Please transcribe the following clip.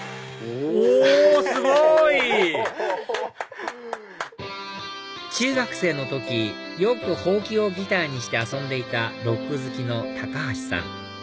おすごい！中学生の時よくホウキをギターにして遊んでいたロック好きの橋さん